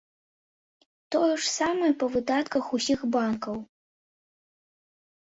Тое ж самае па выдатках усіх банкаў.